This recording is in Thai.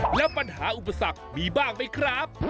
แล้วปัญหาอุปสรรคมีบ้างไหมครับ